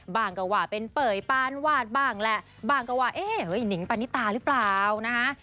บ้างก็ว่าเป็นเปยปานวาดบ้างแหละบ้างก็ว่าเอ๊ะนิงปานิตาหรือเปล่านะฮะ